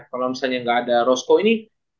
kalau misalnya gak ada roscoe ini